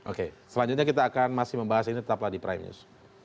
oke selanjutnya kita akan masih membahas ini tetaplah di prime news